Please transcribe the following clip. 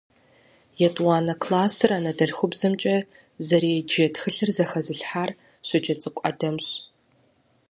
Етӏуанэ классыр анэдэлъхубзэмкӏэ зэреджэ тхылъыр зэхэзылъхьар Щоджэнцӏыкӏу Адэмщ.